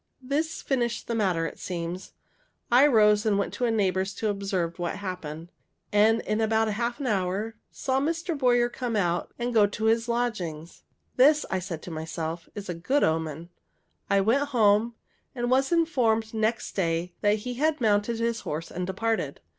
This finished the matter, it seems. I rose, and went into a neighbor's to observe what happened, and in about half an hour saw Mr. Boyer come out and go to his lodgings. "This," said I to myself, "is a good omen." I went home, and was informed, next day, that he had mounted his horse and departed.